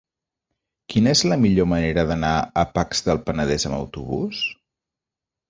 Quina és la millor manera d'anar a Pacs del Penedès amb autobús?